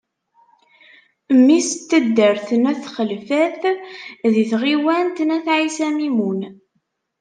Mmi-s n taddart n Ayt Xelfat di tɣiwant n Ayt Ɛisa Mimun.